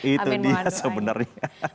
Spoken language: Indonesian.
itu dia sebenarnya